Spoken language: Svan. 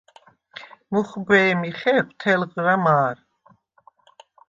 მუხვბე̄მი ხეხვ თელღრა მა̄რ.